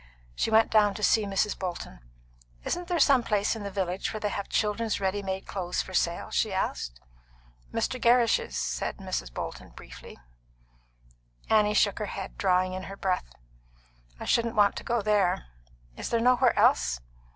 She went down to see Mrs. Bolton. "Isn't there some place in the village where they have children's ready made clothes for sale?" she asked. "Mr. Gerrish's," said Mrs. Bolton briefly. Annie shook her head, drawing in her breath. "I shouldn't want to go there. Is there nowhere else?"